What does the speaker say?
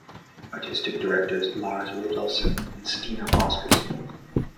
Artistic Directors - Lars Rudolfsson and Stina Oscarson.